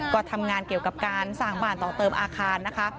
ก็ทำงานเกี่ยวกับการสร้างบ้านต่อเติมอาคารนะคะ